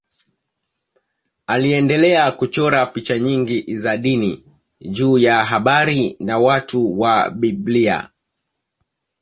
Aliendelea kuchora picha nyingi za dini juu ya habari na watu wa Biblia.